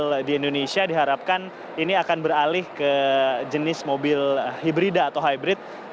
mobil di indonesia diharapkan ini akan beralih ke jenis mobil hibrida atau hybrid